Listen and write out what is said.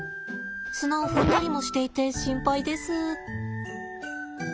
砂を踏んだりもしていて心配です。